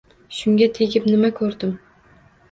Shunga tegib, nima ko`rdim